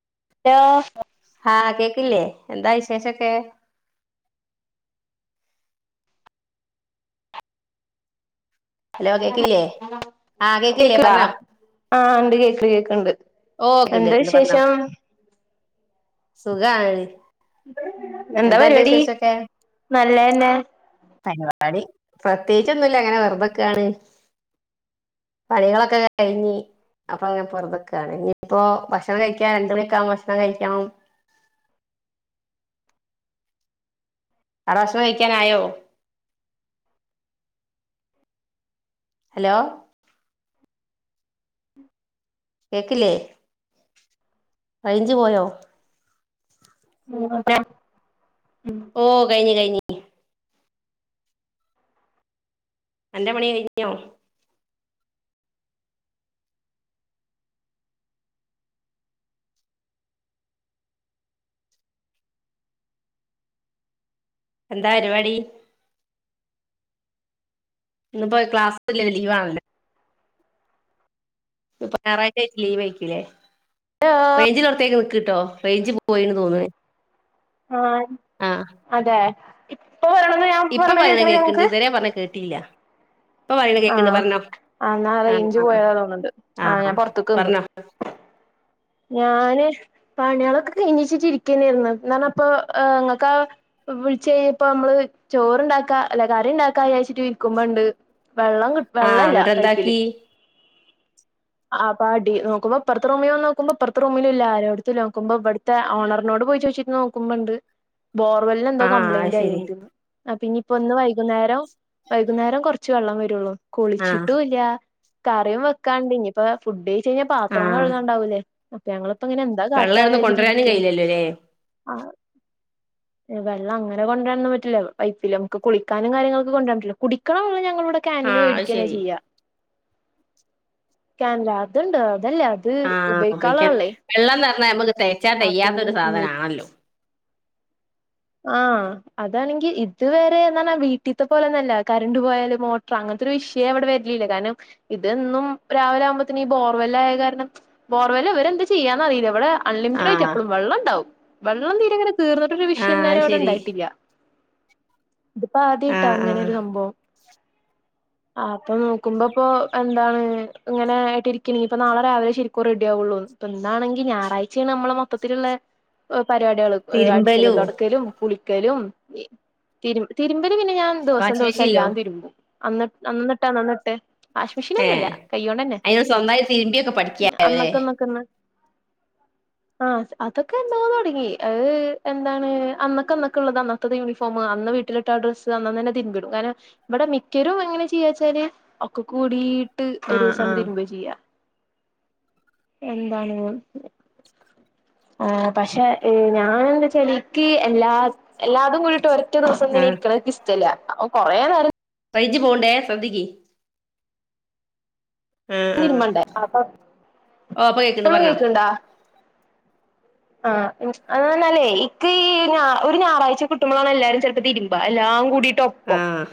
ടാ ഹാ കേക്കില്ലേ എന്താ വിശേഷൊക്കെ ഹലോ കേക്കില്ലേ ആഹ് കേക്കില്ലേ കേക്ക് പറഞ്ഞോ ആ ഉണ്ട് കേക്ക്ണ്ട് കേക്കണ്ട് ഓ കേക്ക്ണ്ട് എന്താ കേക്ക്ണ്ട് പറഞ്ഞോ വിശേഷം സുഖാണ് എന്താ അന്റെ പരിപാടി വിശേഷൊക്കെ നല്ലന്നെ പരിപാടി പ്രത്യകിച്ചൊന്നുല്ല അങ്ങനെ വെറുതെ ക്കാണ് പണികളൊക്കെ കഴിഞ്ഞ് അപ്പൊ അങ്ങനെ വെർതക്കാണ് ഇനിപ്പോ ഭക്ഷണം കഴിക്കാ രണ്ടണിക്കാവുമ്പോഭക്ഷണം കഴിക്കണം ആട ഭക്ഷണം കഴിക്കാനായോ ഹലോ കേക്കില്ലേ റെയ്ഞ്ച് പോയോ? ഉം മതെ ഓ കയിഞ്ഞ് കയിഞ്ഞ് [unintelligible] അന്റെ പണി കഴിഞ്ഞോ എന്താ അരിവാടി ഇന്ന്പ്പോ ക്ലാസ്സില്ലലീവ് ആണല്ലോ ഇപ്പ ഞായറാഴ്ച ലീവ് വയ്ക്കൂല്ലേ റേഞ്ചിള്ളടത്തേക്ക് നിക്കീട്ടോ റേഞ്ച് പോ പോയിന്ന് തോന്നണെ. ആ അതെ ഇപ്പൊ പറയണത് ഞാൻ ഇപ്പ പറയണ പറീണ കേക്കണില്ലേ കേക്ക്ണ്ട് ഇതുവരെ പറഞ്ഞ കേട്ടീല്ല ആഹ അന്നാ ആഹ് റേഞ്ച് ആഹ് പോയതാ തോന്ന്ണ്ട് ആഹ ആഹ് ഞാൻ പൊറത്തേക്ക് നിന്ന് പറഞ്ഞോ ഞാന് പണികളൊക്കെ കഴഞ്ഞിച്ചിട്ട് ഇരിക്കന്നായിരുന്നു ന്നാണപ്പോ ങ്ങക്കാ വിളിച്ചു കഴിഞ്ഞപ്പോ നമ്മള് ചോറ്ണ്ടാക്കാ അല്ല കറി ഉണ്ടാക്കാച്ചിട്ട് ഇരിക്കുമ്പോണ്ട് വെള്ളം കി വെള്ള ആഹ് ഇല്ല എന്നിട്ട് പൈപ്പില് എന്താക്കി ആപ്പാടി നോക്കുമ്പോ ഇപ്പറത്ത റൂമി വന്ന് നോക്കുമ്പോ പ്പറത്ത റൂമിലുല്ല ആരോടുത്ത് നോക്ക്മ്പോ ഇവിടുത്തെ ഓണറിനോട് പോയി ചോച്ചിട്ട് നോക്കുമ്പോണ്ട് ബോർവെല്ലിനെന്തോ ആഹ് അത് കംപ്ലയിന്റ് ശരി ആയിണ്ട് ആ പിന്നി ഒന്ന് വൈകുന്നേരം വൈകുന്നേരം കൊറ ച്ച് വള്ളം വരൊള്ളു ആഹ് കുളിച്ചിട്ടുല്ലാ കറിം വക്കാണ്ട് ഞി പ്പ ഫുഡെയ് ചെയ്ഞ്ഞ പാത്രോം ആഹ് കഴുകാണ്ടാവൂലേ അ ഞങ്ങള് പ്പ ങ്ങനെ എന്താ വെള്ളം കാട്ടാന്ന് അവിടുന്ന് വെച്ച് കൊണ്ടുവരാനും ഇരിക്കാണ് കഴിയില്ലല്ലോല്ലേ ആ എ വെള്ള അങ്ങനെ കൊണ്ട്രാനൊന്നും പറ്റൂല പൈപ്പില നമ്മക്ക് കുളിക്കാനും കാര്യങ്ങൾക്ക് കൊണ്ട്രാൻ പറ്റുല കുടിക്കണം ഞങ്ങള് പ്പ കാനില് ആഹ് അത് വേടിക്കാണ് ശരി ചെയ്യാ കാനില അതുണ്ട് തല്ലെ അത് ഉപേയ്ക്കാള്ള വള്ളെയ് [unintelligible] തേച്ചാ തെയ്യാത്തൊരു സാധനാണല്ലോ. ആ അതാണെങ്കി ഇത് വരെ നർണ വീട്ടിത്തെ പോലെന്നല്ല കരണ്ട് പോയാല് മോട്ട്റ് അങ്ങൻത്തൊരു വിഷയെ വടെ വര്ലില്ല കാരണം ഇതെന്നും രാവിലെ ആവുമ്പത്തിന് ഈ ബോർവെല്ലായ കാരണം ബോർവെല്ല് ഇവരെന്ത ചെയ്യാന്നറീല ഇവ്ടെ അൺലിമിറ്റഡായ്ട്ട് ആഹ് എപ്പളും വെള്ളണ്ടാവും. വെള്ളം തീരെ ഇങ്ങനെ തീർന്നിട്ടൊ ആഹ് അത് ക്കുന്നേരടെ ശരി ഇണ്ടായിട്ടില്ല. ഇതിപ്പ ആദ്യായിട്ടാ ആഹ് ആഹ് ങ്ങനൊരു സംഭവം. ആ അപ്പൊ നോക്കുമ്പോ പ്പൊ എന്താണ് ഇങ്ങനെ ആയിട്ട് ഇരിക്ക ഇപ്പ നാളെ രാവിലെ ശരിക്കു റെഡി ആവൊള്ളൂന്ന് പ്പൊ ന്നാണെങ്കി ഞായറാഴ്ചേണ് നമ്മള് മൊത്തത്തില്ള്ളെ എ പരിവാട്യേള് ഏ അടിക്കലും തിരുമ്പലും തൊടക്ക് കുളിക്കലും എ തിരും തിരുമ്പ പിന്നെ ഞാൻ ദിവസം വാഷിംഗ് ദിവസം മെഷീനിലോ എല്ലാം തി രുമ്പും [unintelligible] അന്നട്ട് അന്ന്ട്ടാ വാഷ്മെഷീനൊന്നുല്ല ഏഹ് കയ്യോണ്ടെന്നെ അയിന് സ്വന്തമായി തിരുമ്പിയൊക്കെ പഠിക്കാല്ലേ അന്നക്കന്നക്കന്ന് ആ അതൊക്കെ എന്നോ തൊടങ്ങി ആഹ് എന്താണ് അന്നക്കന്നക്ക്ള്ളത് അന്നത്തത് യൂണിഫോമ് അന്ന് വീട്ടിലിട്ട ആ ഡ്രസ്സ് അന്നന്നെന്നെ തിരുമ്പിടും കാരണം വടെ മിക്ക്യരും എങ്ങനെ ചെയ്യാ ച്ചാല് ഒക്കക്കൂടീ ട്ട് ആഹ് ഒരൂസണ്ട് ആഹ് തിര്മ്പ ചെയ്യ എന്താണ് ആ പഷെ ഏ ഞാനെന്താചാലി ക്കീ എല്ലാ എല്ലാതും [unintelligible] റ്റ ദിവസം ആഹ് ങ്ങനിരിക്ക്ണഹ് ക്ക് ഷ്‌ടല്ല അ അം കൊറേ നേരം റൈഞ്ച് പോണ്ടേ ശ്രദ്ധിക്കി ആഹ് [inaudible] ഓഹ് ഇപ്പൊ കേൾക്കണ്ട് പ്പളു പറഞ്ഞോ കേക്ക്ണ്ടാ ആ അന്നല്ലേ ഇക്ക് ഈ ഒരു ഞായറാഴ്ച കിട്ടുമ്പോളാണ് എല്ലാരും ചെലപ്പോ തിരുമ്പ എല്ലാംകൂടി ട്ടോപ്പം ആഹ്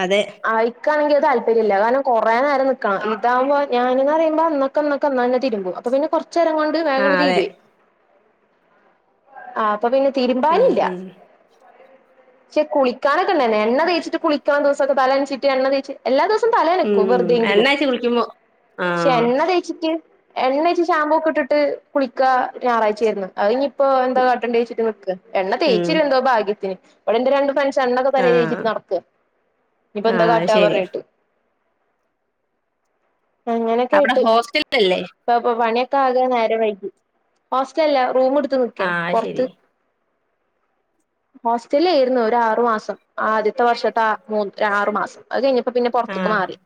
അതെ ആ ഇക്കാണെങ്കിൽ താല്പര്യല്ല കാരണം കുറേ നേരം നിക്കണം ഇതാകുമ്പോ ഞാനന്ന് പറിയുമ്പോ അന്നൊക്കന്നൊക്കന്ന തിരുമ്പും അപോ പിന്നെ കുറ ച്ചേരം കൊണ്ട് ആ അതെ വേഗണ്തീരുവേ ആഹ് അപ്പൊപിന്നെ ഉം തിരുമ്പാനില്ല ഉം ക്ഷെ കുളിക്കാനൊക്കെ ഇണ്ടായിനി എണ്ണ തേച്ചിട്ട് കുളിക്കണ [unintelligible] തലൻച്ചിട്ട് എണ്ണതേച്ച് എല്ലാദിവസം തലനക്കും ഉം എണ്ണ വെറുതെയെങ്കിലും തേച്ച് കുളിക്കുമ്പോ ആ ക്ഷെ എണ്ണ തേച്ചിട്ട് എണ്ണേച്ച് ഷാമ്പൊക്കെ ഇിട്ട്ട്ട് കുളിക്ക ഞായറാഴ്ചയായിരുന്നു അത് ഇപ്പൊ എന്താ കാട്ടണ്ടെയ്ച്ചിട്ട് നിക്കാ എണ്ണ തേച്ചി ഉം [unintelligible] ല്ല എന്തോഭാഗ്യത്തിന് അവിടെന്റെ രണ്ട് ഫ്ര എണ്ണൊക്കെ തല ആ ഒഴിച്ചിട്ട് നടക്ക്. ആ ഇനിപ്പെന്താ അത് കാട്ടാ ശരി പറഞ്ഞിട്ട് അങ്ങനെക്കെ അവിടെ ആയിട്ട് ഹോസ്റ്റലല്ലേ ഇപ്പപ്പൊ പണിയൊ ആകെ നേരം വൈകി ഹോസ്റ്റലല്ലാ. റൂം എട്ത്ത് നിക്കെ ആ അത് പൊറത്ത് ശരി ഹോസ്റ്റലിലേരുന്നു ഒരാറു മാസം ആദ്യത്തെ വർഷത്തെ മൂ ആറുമാസം അത് കഴിഞ്ഞപ്പോ പിന്നെ ആ പുറത്തേക്ക് മാറി.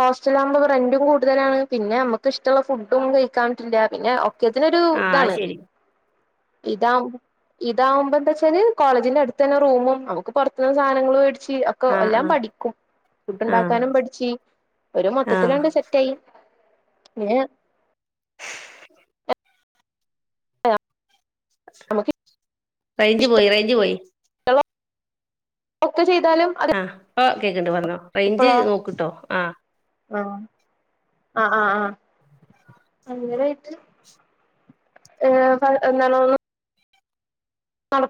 ഹോസ്റ്റലാകുമ്പോ റെന്റും കൂടുതലാണ് പിന്നെ മ്മക്കിഷ്ടമുള്ള ഫുഡും കഴിക്കാ പറ്റില്ല പിന്നെ ഒ ക്കെത്തിനൊരു ആ അത് ഇതാണ്. ശരി ഇതാവുമ്പോ ഇതാകുമ്പോ എന്താ വെച്ചാല് കോളേജിന്റെ അടുത്തന്നെ റൂമും നമുക്ക് പൊ റത്തുന്നു സാധങ്ങള് മേടി ച്ച് ഓക്കെ ആ ആ എല്ലാം പഠിക്കും ആ ഫുഡ്ഡുണ്ടാക്കാനും പഠിച്ചു ഒരു ആ മൊത്തത്തിലങ്ങട്ട് സെറ്റ് ആയി. [unintelligible] ആ റേഞ്ച് പോയി റേഞ്ച് പോയി. ഒക്കെ ചെയ് താലും അത് കേക്കിണ്ട് പറഞ്ഞോ റേഞ്ച് നോക്ക്ട്ടോ ആഹ് ആ ആ ആഹ് ആ അങ്ങനെയായിട്ട് ഏഹ് [unintelligible] തണ്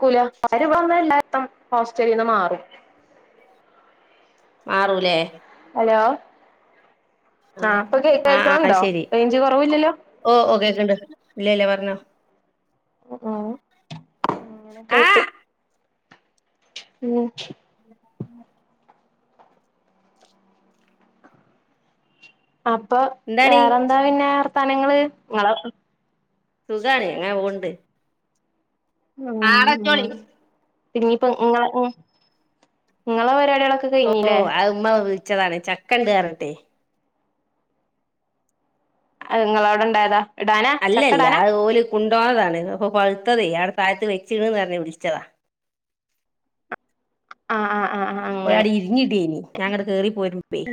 കൂല [unintelligible] ര്യം പറഞ്ഞ എല്ലാവരും ഹോസ്റ്റലീന്ന് മാറും മാറൂലേ ഹലോ ആ ആഹ് പ്പൊ കേക്ക ആ ആ അത് കേക്കണണ്ടോ റേഞ്ച് കൊറവില്ലല്ലോ ണ്ട് ഇല്ല ഇല്ല പറഞ്ഞോ ആഹ് അങ്ങനെയൊക്കെ ആ ഇട്ട് ഉം [inaudible] അപ്പൊ എന്താണ് വേറെന്താ പിന്നെ സ്ഥലങ്ങള് ഇങ്ങളെ സുഖാണ് അങ്ങനെ പോണ്ട് ആട ആഹ് വെച്ചോളി ആഹ് ഇനിപ്പോ ഇങ്ങളെ ഉം ഇങ്ങളെ പരി ഓ അത് ഉമ്മ [unintelligible] ച്ചതാണ് ചക്കണ്ട് കയറിഞ്ഞിട്ടെ ഇങ്ങള അവിടെണ്ടായതാ അല്ലല്ല അതു ഓല് കൊണ്ടോന്നതാണ് അപ്പൊ പഴുത്തതേ അവിടെ താഴത്ത് വെച്ചിക്കണ്ന്ന് പറഞ്ഞ് വിളിച്ചതാ ആഹ് ആഹ് ആഹ് ആഹ് അങ്ങനെ ഒരാട് ഇരിഞ്ഞിട്ടേനി ഞങ്ങട് കേറി പോരുപ്പെ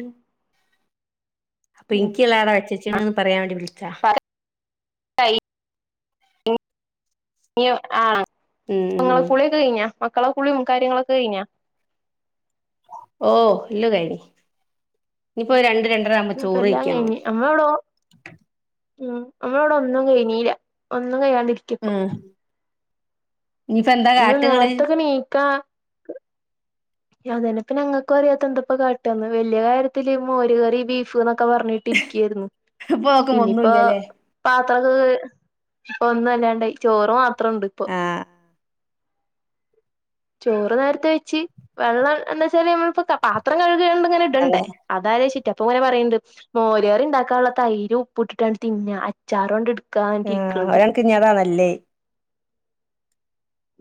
അപ്പൊ ഉം ഇനിക്ക് ഇള്ളത് വെച്ചച്ചിണ് പറയാൻ വേണ്ടി വിളിച്ചാ ഇ [unintelligible] [unintelligible] ആഹ് ഉം ങ്ങള് ഉം കുളിയൊക്കെ കഴിഞ്ഞ മ മക്കളെ കുളിയും കാര്യങ്ങളൊക്കെ കഴിഞ്ഞാ ഓ ഇല്ലോ കഴിഞ്ഞ് ഇനിപ്പൊ രണ്ട് രണ്ടര ആവുമ്പോ പ്പ ചോറ് എല്ലാം വെയ്ക്കണം കഴിഞ്ഞ് അമ്മ ഇവിടെ ഓ ഉം നമ്മളിവിടെ ഒന്നും കഴിനീല്ല ന്നുംകഴിയാണ്ട് രിക്ക ഇപ്പൊ ആഹ് ഇനിയിപ്പോ എന്താ ഇന്ന് കാട്ട്ങ്ങള് നേരത്തൊക്കെ ണീക്കാ അതെന്നക്ക ഞങ്ങൾക്കും അറിയാത്ത എന്താപ്പ കാട്ടന്ന് വലിയ കാര്യത്തില് മോര് കറി ബീഫ്ന്ന് ക്കപറഞ്ഞിട്ടിരിക്കായിരുന്നു ഇപ്പൊ ഓക്കും ഇനിയിപ്പോ ഒന്നുല്ലല്ലേ പാ [unintelligible] അത് ഇപ്പൊ ഒന്നല്ലാണ്ടായി ചോറ് മാത്രണ്ട് ഇപ്പൊ ആഹ് ചോറ് നേരത്തെ വെച്ച് വെള്ളം എന്ന് വച്ചാൽ നമ്മൾ പാത്രം കഴുകണണ്ട് അതെ ങ്ങനിടണ്ടെ അതാലോയ്ചിറ്റ തോന് പറയണ്ട് മോര് കറി ഉണ്ടാക്കാനുള്ള തൈര് ഉപ്പുട്ടിട്ടാണ്ട് തിന്നാ അച്ചാറുണ്ട്ട ആഹ് ഓരണക്കിന് ഇനി അതാ നല്ലെ.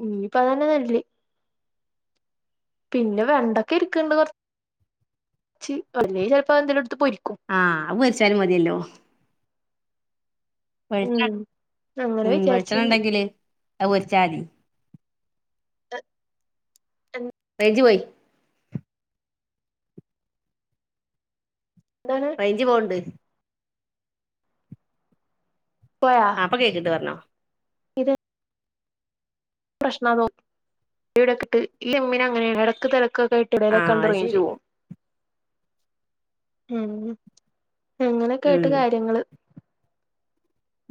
ഇനിയിപ്പതന്നെ നല്ലേ. പിന്നെ വെണ്ടക്ക ഇരിക്ക്ണ്ട് കൊറച്ച് ചെലപ്പോ അന്തേല് എടു ആഹ് അവ് പൊരിച്ചാലും മതിയല്ലോ. വെളിച്ച ഉം അങ്ങനെ ഉം വെളിച്ചെണ്ണ വിചാരിച്ചിണ്ട് ഉണ്ടെങ്കില് അത് പൊരിച്ചാതി [unintelligible] [unintelligible] എന്താണ് റേഞ്ച് പോവ്ണ്ട്. പോയാ ആ ഇപ്പൊ കേക്കിണ്ട് പറഞ്ഞോ. ഇത് പ്രശ്നാ [unintelligible] ക്കെക്കായിട്ട് ആഹ് എടേലൊക്കാണ്ട് അത് റേഞ്ച് ശരി പോവും. ഉം എങ്ങനൊക്കെയ്‌ട്ട് ഉം കാര്യങ്ങള്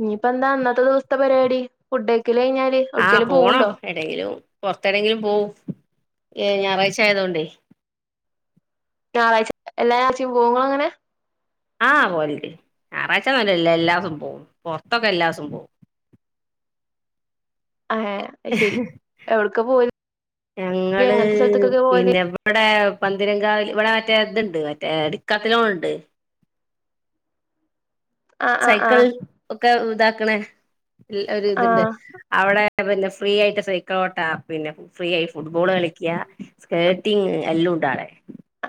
ഇഞ്ഞിപ്പന്താ ന്നത്തെ ദിവസത്തെ പരിപാടി ഫുഡ കഴിഞ്ഞാൽ ആഹ് ആവുടുക്കേലും പോണം എവിടെങ്കിലും പൊറത്തെടെങ്കിലും പോവു ഏ് ഞായറാഴ്ച ആയതോണ്ടേ ഞായറാഴ്ച എല്ലാ ഞാറ്ച്ചയും പോങ്ങള അങ്ങനെ ആ പോലണ്ട് ഞാറാഴ്ച്ചനല്ല എല്ലാസും പോവും പൊറത്തൊക്കെ എല്ലാസും പോവും ഏഹ് അത് ശരി ഹ് എവിട്ക്കാ പോവല് ഞങ്ങള് എങ്ങനത്തെ സ്ഥലത്ത്ക്കൊക്കെ പോവല് പിന്നെവിടെ പന്തതിരംഗാവ ഇവിടെ മറ്റേ ഇതുണ്ട് മറ്റേ ഇടുക്കാത്തിലലോണ ഉണ്ട് ആഹ് ആഹ് ആഹ് സൈക്കിൾ ഒക്കെ ഇത ആക്കണേ ല് ഒരു ഇതുണ്ട് ആഹ് അവിടെ പിന്നെ ഫ്രീ ആയിട്ട് സൈക്കളോട്ട പിന്നെ ഫ്രീ ആയി ഫുട്ബോൾ കളിക്ക സ്കേർട്ടിങ്് എല്ലാം ഉണ്ടാടെേ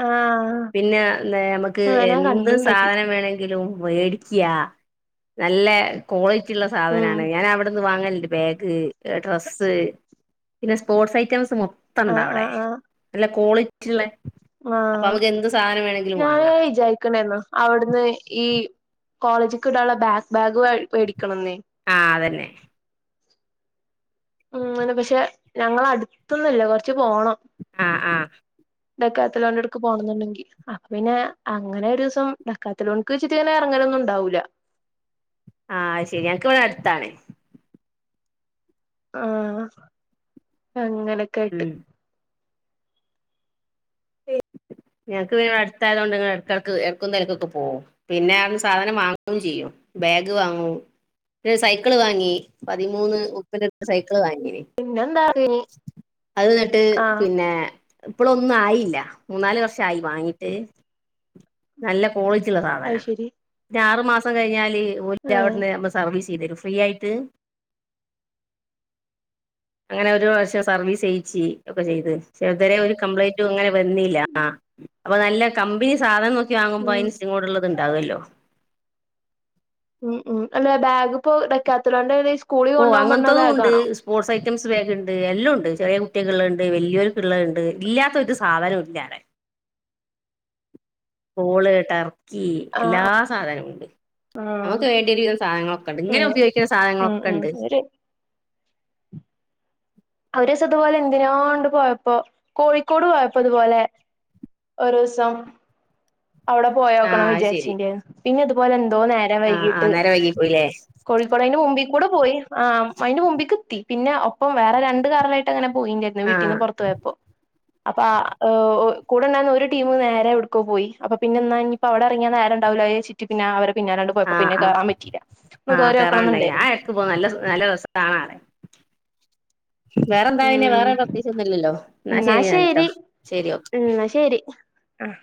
ആഹ് പിന്നെ എാ നമുക്ക് ആഹ് ഞാൻ എന്ത് കണ്ട്ണ്ടത് സാധനം വേണെങ്കിലും മേടിക്ക നല്ല കോളേജ് ുള്ള ഉം സാധനാണ് ഞാൻ അവിടുത്തെ വാങ്ങല്ണ്ട് ബാഗ് ഡ്രസ് പിന്നെ സ്പോർട്സ് ഐറ്റംസും ഒക്കെ ത്തണ്ട ആഹ് അവിടെ ആഹ് അല്ല കോള റ്റ്ള്ളെ ആഹ ഞാന് വിചാരിക്കണെന്നോ അവിടുന്ന് ഈ കോളേജ്ക്ക് ഇടാൻ ഉള്ള ബാക്ക്ബാഗ് മേടി ക്കണെന്നേ ആ അതന്നെ ഉം അന്ന് പക്ഷെ ഞങ്ങള അടുത്തൊന്നുല്ല കൊറച്ച് പോണം ആഹ ആഹ ഡക്കാത്ത ലോണെടുക്ക് പോണംന്നുണ്ടെങ്കി അപ്പൊ പിന്നെ അങ്ങനെ ഒരു ദിവസം ഡക്കാത്തലോൺക്ക് ചിറ്റങ്ങനെ ഇറങ്ങനൊന്നും ഉണ്ടാവൂല്ല ആഹ് ശരി എനക്ക് ഇവിടെ അടുത്താണേ ആഹ അങ്ങനൊക്കെ ആയിട്ട് ഉം ഞങ്ങക്ക് പിന്നെ അടുത്തായത് കൊണ്ട് ഇടക്ക് ഇടക്കും തിരക്കൊക്കെ പോകവും പിന്നെ ആ സാധനം വാങ്ങുകയും ചെയ്യും ബാഗ് വാങ്ങും പിന്നെ സൈക്കിള് വാങ്ങി പതിമൂന്ന് റൂപ്പൻ്റെ സൈക്കി വാങ്ങിനി പിന്നെന്താ അത്കട്ട് ആഹ് പിന്നെ ഇപ്പോളൊന്നും ആയില്ല മൂന്നാല് വർഷം ആയി വാങ്ങിട്ട് നല്ല കോളിറ്റി ഉള്ള സാധന അത് ശരി മാസം കഴിഞ്ഞാല് ഓര് ആഹ് അവിടുന്ന് ആകുമ്പോ സർവീസ് ചെയ്ത് തരോ ഫ്രീയായിട്ട് അങ്ങനെ ഒരു പ്രാവിശ്യ സർവീസ് ചെയ്യിച്ച് അപ്പോൾ ചെയ്ത് പക്ഷെ ഇതുവരെ ഒരു കംപ്ലയിൻ്റോ വന്നില്ല അപ്പൊ നല്ല കമ്പനി സാധനം നോക്കി വാങ്ങുമ്പോ ഉം അതിന് യൂസിങ് കെടി ഉള്ളത് ഉണ്ടാവുമല്ലോ ഉം ഉം അല്ല ബാഗ്പ്പോ ഡക്കാത്ത ലോൻ്റെഏകദേശം ഓ അങ്ങനത്തെതും ഉണ്ട് സ്പോർട്സ് ഐറ്റം റ്റംസ് ബാഗ് ഉണ്ട് എല്ലാം ഉണ്ട് ചെറിയ കുട്ടികള ഉണ്ട് വലിയൊർക്ക ഉണ്ട് ഇല്ലാത്തരു സാധനം ഇല്ലാ അവിടെ ബോള്ഡർ എല്ലാ സാധനവും ഉണ്ട് ആഹ് നമുക്ക് വേണ്ടിരിക്കുന്ന സാധനങ്ങളൊക്കെ ഉണ്ട് ഇങ്ങനെ ആഹ് ഉപയോഗിക്കുന്ന സാധനങ്ങളൊക്കെ ഉണ്ട് ഉ [inaudible] ഒരു ദിവസം ഇതുപോലെ എന്തിനോ കൊണ്ട് പോയപ്പോ കോഴിക്കോട് പോയപ്പോ അതുപോലെ ഒരു ദിവസം അവിടെ ആ പോയോക്കണം അത് ശരി വിചാരിച്ചിന് പിന്നെതുപോലെ എന്തോ നേരം ആ ആ വൈകിട്ട് നേരം വൈകി പോയില്ലേ കോഴിക്കോടന് മുമ്പിൽ കൂടെ പോയി ആ അതിന്റെ മുമ്പിൽക്ക എത്തി പിന്നെ ഒപ്പം വേറെ രണ്ട് കാറിലായിട്ട് അങ്ങനെ പോയിണ്ടായിരുന്നു ആ വീട്ടീന്ന് പുറത്തു പോയപ്പോ അപ്പ കൂടെ ഉഉണ്ടായിരുന്ന ഒരു ടീം നേരെ എവിടുകോ പോയി അപ്പൊ പിന്നെ ഇഞ്ഞിപ്പോ അവിടെ ഇറങ്ങിയ നേരണ്ടാവോച്ചട്ട് പിന്നെ അവരെ പിന്നാലാണ്ട് പോയപ്പോ ആഹ പിന്നെ ആഹ് കേറാൻ പറ്റിയില്ല ഒന്ന് ആഹ കേറി നോക്കണം കേയറാണ്ടായിന്ന് ആ എന്നുണ്ടായിരുന്നു എടക്ക് പോ നല്ല നല്ല രസം കാണാ വേറെന്താ പിന്നെ ഉം വേറെ പ്രത്യേകിച്ചൊന്നുല്ലല്ലോ ന്ന എന്നാ ശരിന്നാൽ ട്ടൊ ശരി ശരി ഓക്കെ ആഹ